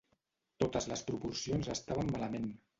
Totes les proporcions estaven malament.